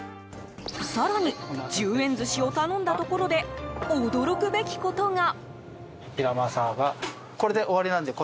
更に１０円寿司を頼んだところで驚くべきことが。